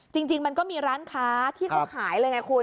จริงมันก็มีร้านค้าที่เขาขายเลยไงคุณ